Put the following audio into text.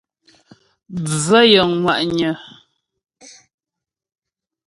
Bvə̂ yəŋ ŋwà'nyə̀.